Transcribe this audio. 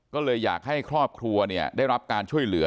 ก็เลยอยากให้ครอบครัวได้รับการช่วยเหลือ